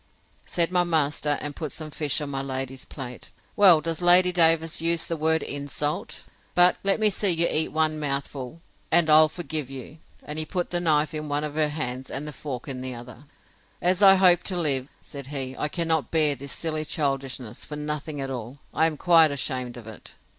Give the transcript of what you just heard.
Said my master, and put some fish on my lady's plate, Well does Lady Davers use the word insult!—But, come, let me see you eat one mouthful, and I'll forgive you; and he put the knife in one of her hands, and the fork in the other. As I hope to live, said he, I cannot bear this silly childishness, for nothing at all! I am quite ashamed of it.